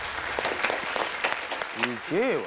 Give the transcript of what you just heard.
すげえわ。